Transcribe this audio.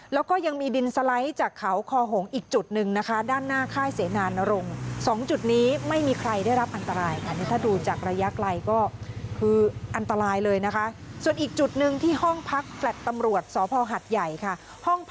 แล้วก็ยังมีดินสไลด์จากเขาคอหงอีกจุดหนึ่งนะคะด้านหน้าค่ายเสนานรงค์